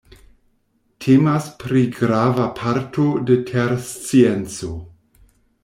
Temas pri grava parto de terscienco.